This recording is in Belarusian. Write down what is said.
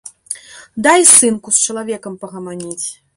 Дай, сынку, з чалавекам пагаманіць!